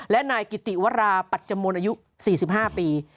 และนายกิติวราปัจจมนต์อายุ๔๕ปี